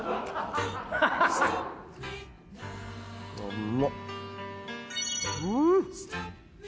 うまっ。